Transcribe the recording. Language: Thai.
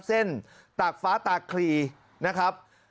เส้นตากฟ้าตากคลีนะครับ